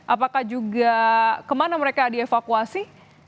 apakah juga kemana mereka dievakuasi